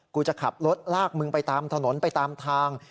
กูจะขับรถลากมึงไปตามถนนไปตามทาง